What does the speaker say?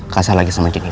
kasar lagi sama jennifer